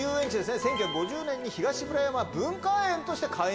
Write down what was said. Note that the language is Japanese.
１９５０年に東村山文化園として開園。